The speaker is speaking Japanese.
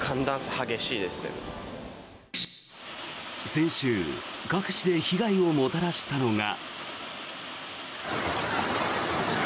先週、各地で被害をもたらしたのが。